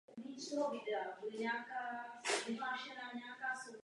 Ve vyhlášce začala být zobrazována i dopravní zařízení a zvláštní označení vozidel a osob.